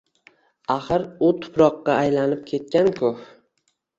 Axir u tuproqqa aylanib ketganku